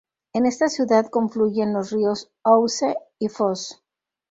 En esta ciudad confluyen los ríos Ouse y Foss.